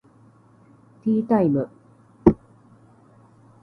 ティータイム